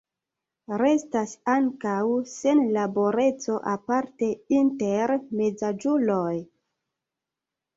Restas ankaŭ senlaboreco aparte inter mezaĝuloj.